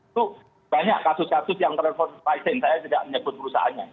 itu banyak kasus kasus yang transformasi saya tidak menyebut perusahaannya